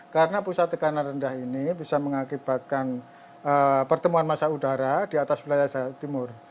karena pusat tekanan rendah ini bisa mengakibatkan pertemuan masa udara di atas wilayah jawa timur